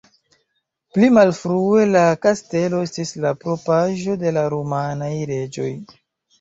Pli malfrue la kastelo estis la propraĵo de la rumanaj reĝoj.